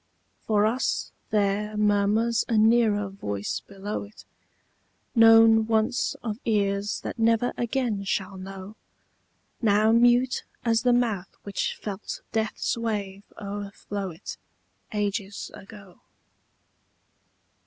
For us there murmurs a nearer voice below it, Known once of ears that never again shall know, Now mute as the mouth which felt death's wave o'erflow it Ages ago.